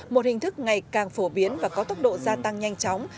một hình thức ngày càng phổ biến và có tốc độ gia tăng nhanh chóng